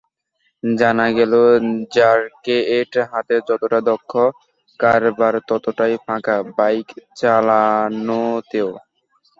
জানা গেল, র্যাকেট হাতে যতটা দক্ষ কারবার, ততটাই পাকা বাইক চালানোতেও।